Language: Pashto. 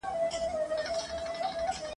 مغزونه کوچ سي قلم یې وچ سي ..